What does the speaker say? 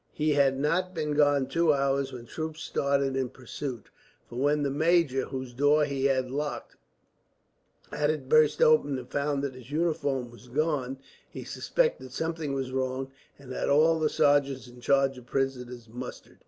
He had not been gone two hours when troops started in pursuit; for when the major, whose door he had locked, had it burst open and found that his uniform was gone, he suspected something was wrong, and had all the sergeants in charge of prisoners mustered.